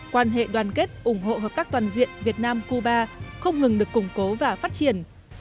quan hệ đoàn kết ủng hộ hợp tác toàn diện việt nam cuba không ngừng được củng cố và phát triển